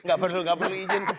gak perlu gak perlu izin